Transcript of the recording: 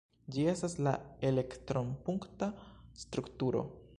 Ĝi estas la elektron-punkta strukturo.